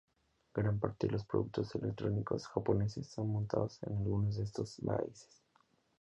Gran parte de los productos electrónicos japoneses son montados en alguno de estos países.